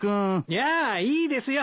いやいいですよ